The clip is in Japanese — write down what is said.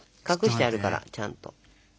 隠してあるからちゃんと。